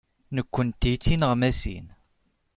Nekkenti d tineɣmasin.